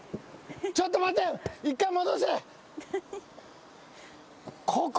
ちょっと待て一回戻せ！